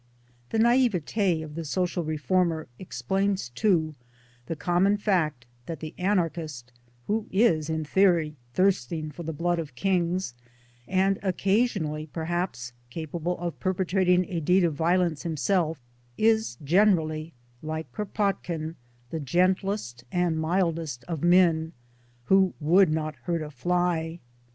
The nai'vet^ of the social reformer explains too the common fact that the Anarchist who is in theory " thirsting for the blood of kings " and occasionally perhaps capable of perpetrating a deed of violence himself, is generally (like Kropotkin) the gentlest and mildest of men, who " would not hurt a fly."